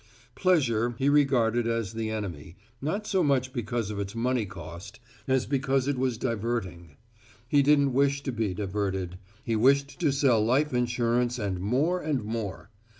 Pleasure he regarded as the enemy, not so much because of its money cost, as because it was diverting. He didn't wish to be diverted; he wished to sell life insurance and more and more.